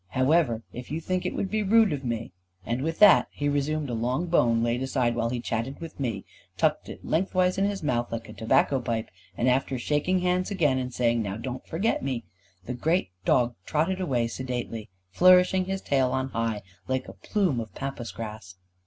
However, if you think it would be rude of me " And with that he resumed a long bone, laid aside while he chatted to me, tucked it lengthwise in his mouth, like a tobacco pipe, and after shaking hands again, and saying "Now don't forget me," the great dog trotted away sedately, flourishing his tail on high, like a plume of Pampas grass.